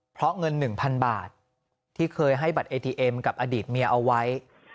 เพราะเงิน๑๐๐๐บาทที่เคยให้บัตรเอทีเอ็มกับอดีตเมียเอาไว้